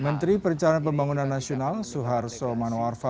menteri perjalanan pembangunan nasional suharso manoarfa